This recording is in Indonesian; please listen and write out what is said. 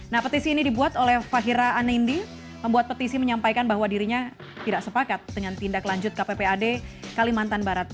nah petisi ini dibuat oleh fahira anindi membuat petisi menyampaikan bahwa dirinya tidak sepakat dengan tindak lanjut kppad kalimantan barat